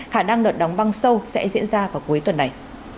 khả năng đợt đóng băng sâu sẽ diễn ra vào cuối tuần này